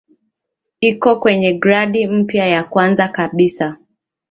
iko kwenye gradi mpya ya kwanza kabisa